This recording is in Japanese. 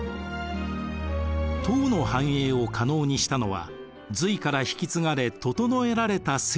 唐の繁栄を可能にしたのは隋から引き継がれ整えられた制度でした。